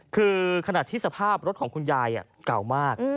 คือขณะที่สภาพรถของคุณยายเก่ามาก